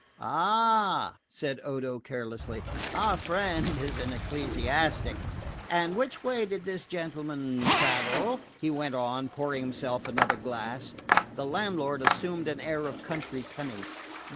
"Ah," said Odo carelessly, "our friend is an ecclesiastic. And which way did this gentleman travel?" he went on, pouring himself another glass. The landlord assumed an air of country cunning.